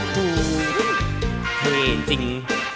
เท่จริง